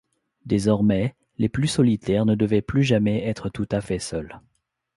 Désormais, les plus solitaires ne devaient plus jamais être tout à fait seuls.